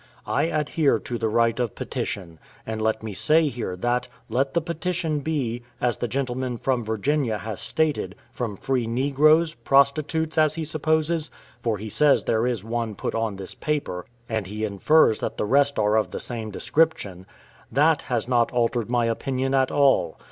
I adhere to the right of petition; and let me say here that, let the petition be, as the gentleman from Virginia has stated, from free negroes, prostitutes, as he supposes, for he says there is one put on this paper, and he infers that the rest are of the same description, that has not altered my opinion at all.